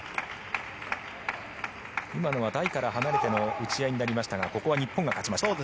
今のは台から離れての打ち合いになりましたがここは日本が勝ちました。